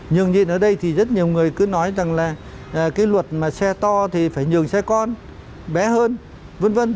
nhường nhịn ở đây thì rất nhiều người cứ nói rằng là cái luật mà xe to thì phải nhường xe con bé hơn vân vân